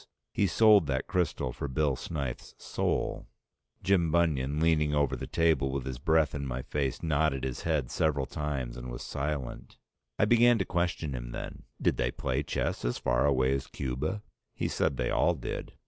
He sold that crystal for Bill Snyth's soul. Jim Bunion leaning over the table with his breath in my face nodded his head several times and was silent. I began to question him then. Did they play chess as far away as Cuba? He said they all did.